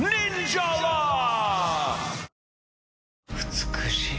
美しい。